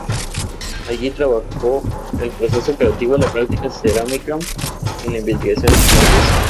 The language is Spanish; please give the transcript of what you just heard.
Allí trabajó el proceso creativo, la práctica cerámica y la investigación de esmaltes.